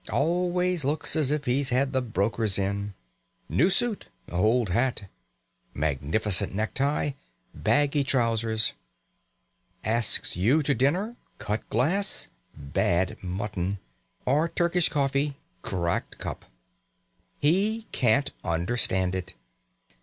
Always looks as if he'd had the brokers in. New suit old hat! Magnificent necktie baggy trousers! Asks you to dinner: cut glass bad mutton, or Turkish coffee cracked cup! He can't understand it.